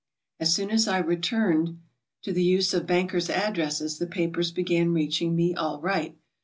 As soon as I returned to the use of bankers' addresses, the pa pers began reaching me all right.